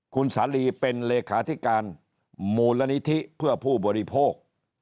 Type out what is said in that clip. คุณสาลีเป็นเลขาธิการมูลนิธิเพื่อผู้บริโภค